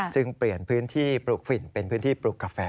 ซึ่งเปลี่ยนพื้นที่ปลูกฝิ่นเป็นพื้นที่ปลูกกาแฟ